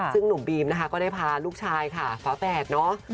ซึ่งหนุ่มบีมนะคะก็ได้พาลูกชายค่ะฝาแฝดเนอะ